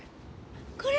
これ。